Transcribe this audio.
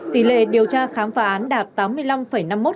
tỷ lệ điều tra khám phá án đạt tám mươi năm năm mươi một